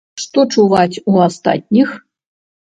Што чуваць у астатніх?